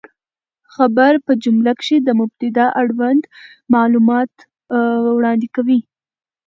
خبر په جمله کښي د مبتداء اړوند معلومات وړاندي کوي.